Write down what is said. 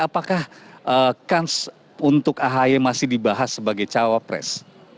apakah kans untuk ahy masih dibahas sebagai cawapres